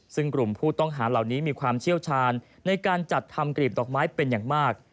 ซึ่งกลุ่มผู้ต้องหาเหล่านี้มีความเชี่ยวชาญในการจัดทำกรีบดอกไม้เป็นอย่างมาก